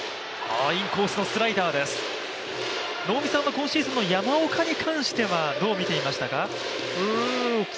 今シーズンの山岡に関してはどう見ていましたか？